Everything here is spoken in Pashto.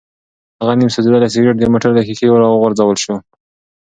هغه نیم سوځېدلی سګرټ د موټر له ښیښې راوغورځول شو.